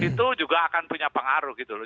jadi itu juga akan punya pengaruh gitu loh